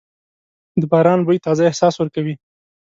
د باران بوی تازه احساس ورکوي.